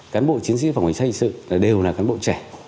cán bộ chiến sĩ phòng hành sát hành sự đều là cán bộ trẻ